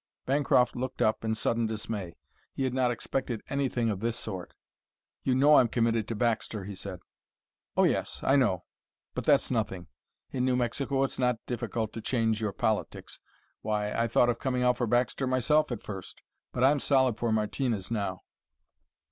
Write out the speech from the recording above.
Bancroft looked up in sudden dismay. He had not expected anything of this sort. "You know I'm committed to Baxter," he said. "Oh, yes; I know. But that's nothing. In New Mexico it's not difficult to change your politics. Why, I thought of coming out for Baxter myself at first; but I'm solid for Martinez now."